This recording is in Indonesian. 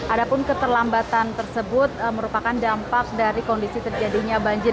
adapun keterlambatan tersebut merupakan dampak dari kondisi terjadinya banjir